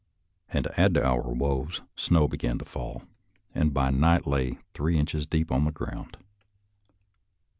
And to add to our woes, snow began to fall, and by night lay three inches deep on the ground.